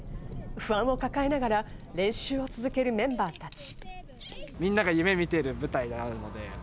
不安を抱えながら練習を続けるメンバーたち。